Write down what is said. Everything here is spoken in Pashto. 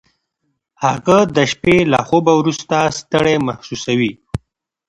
هغه د شپې له خوبه وروسته ستړی محسوسوي.